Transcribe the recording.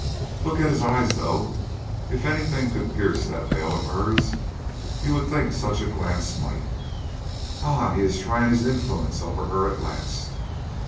"Look at his eyes, though. If any thing could pierce that veil of hers, you would think such a glance might." "Ah, he is trying his influence over her at last."